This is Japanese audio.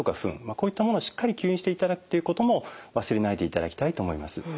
こういったものをしっかり吸引していただくっていうことも忘れないでいただきたいと思います。